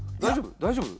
大丈夫？